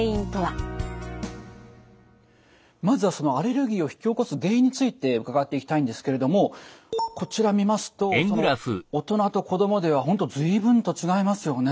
まずはそのアレルギーを引き起こす原因について伺っていきたいんですけれどもこちら見ますと大人と子どもでは本当随分と違いますよね。